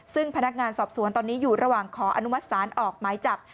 ซึ่งพนักงานสอบสวนตอนนี้อยู่ระหว่างขออนุมัติศาลออกหมายจับ